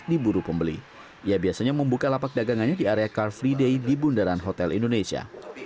diburu pembeli ia biasanya membuka lapak dagangannya di area car free day di bundaran hotel indonesia